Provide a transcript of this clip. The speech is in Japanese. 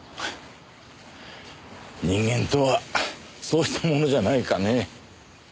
人間とはそうしたものじゃないかねぇ？